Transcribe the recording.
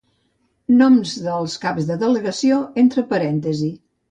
Noms dels caps de delegació entre parèntesi.